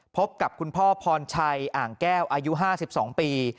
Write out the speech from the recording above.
พบกับคุณพ่อพรชัยอ่างแก้วอายุ๕๒ปี